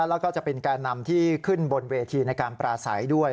แล้วก็จะเป็นแก่นำที่ขึ้นบนเวทีในการปราศัยด้วย